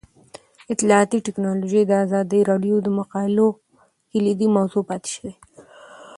اطلاعاتی تکنالوژي د ازادي راډیو د مقالو کلیدي موضوع پاتې شوی.